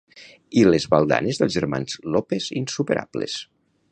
I les baldanes dels germans López insuperables